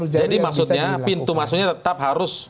jadi maksudnya pintu masuknya tetap harus